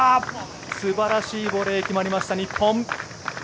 素晴らしいボレーが決まりました日本。